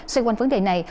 xoay quanh vấn đề này